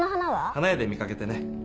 花屋で見かけてね。